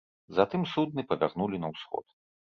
Затым судны павярнулі на ўсход.